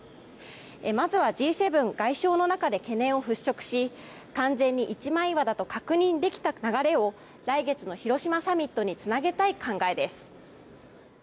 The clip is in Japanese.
まずはＧ７外相の中で懸念を払しょくし完全に一枚岩だと確認できた流れを来月の広島サミットにつなげたい考えです。